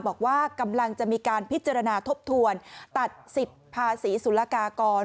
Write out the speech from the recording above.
บอกว่ากำลังจะมีการพิจารณาทบทวนตัดสิทธิ์ภาษีสุรกากร